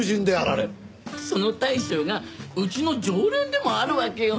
その大将がうちの常連でもあるわけよ。